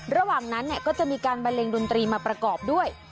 ระหว่างนั้นก็จะมีการบันเลงดนตรีมาประกอบด้วย